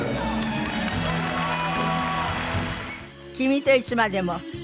『君といつまでも』